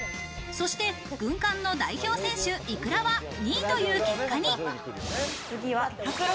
そして軍艦の代表選手いくらは２位という結果に。